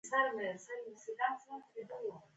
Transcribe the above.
،کله چی د اسلام مبارک دین په عربی نړی کی منځته راغی.